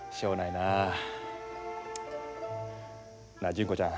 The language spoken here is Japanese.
なあ純子ちゃん。